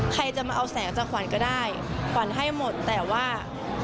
ใครจะมาเอาแสงจากขวัญก็ได้ขวัญให้หมดแต่ว่า